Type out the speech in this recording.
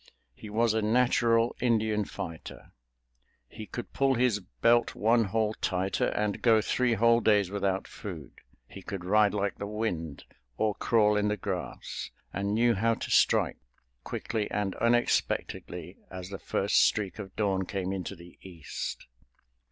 He was a natural Indian fighter. He could pull his belt one hole tighter and go three whole days without food. He could ride like the wind, or crawl in the grass, and knew how to strike, quickly and unexpectedly, as the first streak of dawn came into the East.